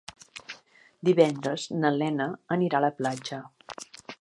Divendres na Lena anirà a la platja.